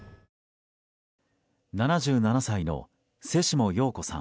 ７７歳の瀬下陽子さん。